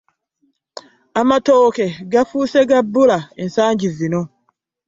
Amatooke gafuuse gabbula esanji zino.